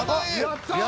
やった！